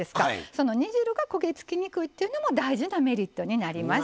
その煮汁が焦げ付きにくいっていうのも大事なメリットになります。